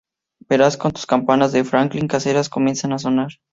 Verás como tus campanas de Franklin caseras comienzan a sonar.